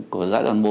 của giai đoạn một